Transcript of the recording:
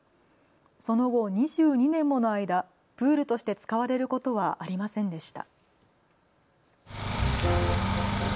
その後、２２年もの間、プールとして使われることはありませんでした。